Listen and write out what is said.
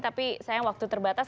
tapi sayang waktu terbatas